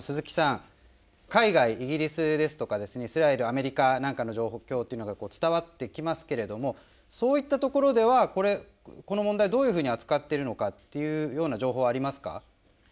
例えば海外、イギリスですとかイスラエル、アメリカなんかの状況というのが伝わってきますけれどもそういったところではこの問題、どういうふうに扱ってるのかっていうような情報はありますか。